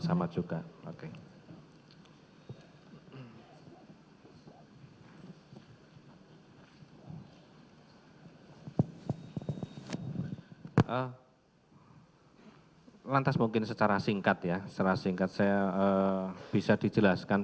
sama juga oke lantas mungkin secara singkat ya secara singkat saya bisa dijelaskan